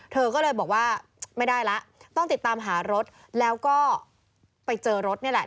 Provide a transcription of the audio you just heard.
เธอก็เลยบอกว่าไม่ได้ละต้องติดตามหารถแล้วก็ไปเจอรถนี่แหละ